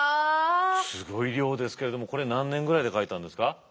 すごい量ですけれどもこれ何年ぐらいで書いたんですか？